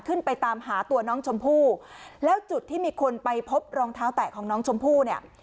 ไปตามหาตัวน้องชมพู่แล้วจุดที่มีคนไปพบรองเท้าแตะของน้องชมพู่เนี่ย